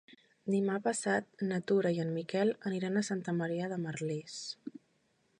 Demà passat na Tura i en Miquel aniran a Santa Maria de Merlès.